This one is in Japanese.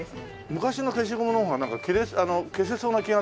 昔の消しゴムの方がなんか消せそうな気がするよね。